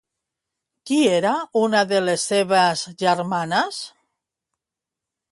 Qui era una de les seves germanes?